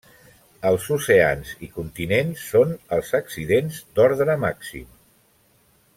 Els oceans i continents són els accidents d'ordre màxim.